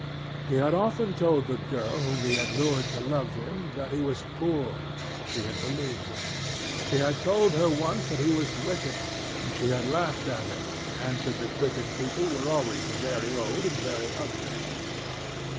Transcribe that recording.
He had often told the girl whom he had lured to love him that he was poor, and she had believed him. He had told her once that he was wicked, and she had laughed at him and answered that wicked people were always very old and very ugly.